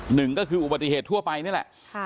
หนึ่งก็คืออุบัติเหตุทั่วไปนี่แหละ